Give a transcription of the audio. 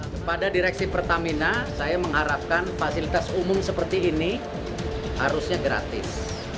kepada direksi pertamina saya mengharapkan fasilitas umum seperti ini harusnya gratis